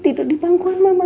nino di luar mama